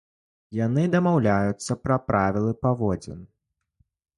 Яны дамаўляюцца пра правілы паводзін.